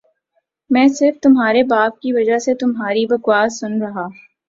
میں صرف تمہارے باپ کی وجہ سے تمہاری بکواس سن ربا